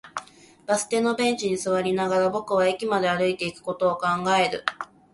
バス停のベンチに座りながら、僕は駅まで歩いていくことを考える